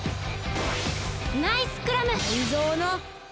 ナイスクラム！